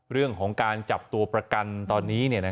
เรื่องของการจับตัวประกันตอนนี้